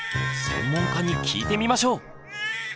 専門家に聞いてみましょう。